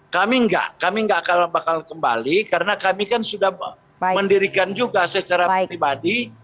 kami enggak kami enggak bakal kembali karena kami kan sudah mendirikan juga secara pribadi